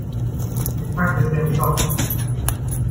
Sie packte sie am Schopf.